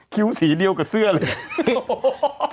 คิ้วสีเดียวกับเสื้อเลย